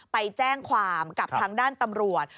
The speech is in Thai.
ไปแจ้งความกับทางด้านตำรวจ